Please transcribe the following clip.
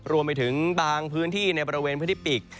รวมไปถึงบางพื้นที่ในบริเวณพื้นที่ปีก